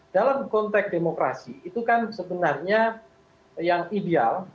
dalam konteks demokrasi itu kan sebenarnya yang ideal